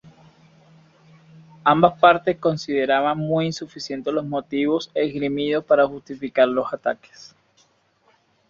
Ambas partes consideraban muy insuficientes los motivos esgrimidos para justificar los ataques.